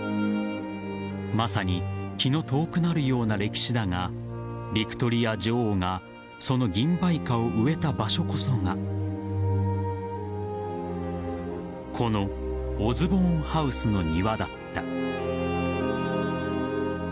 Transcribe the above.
まさに気の遠くなるような歴史だがビクトリア女王がそのギンバイカを植えた場所こそがこのオズボーンハウスの庭だった。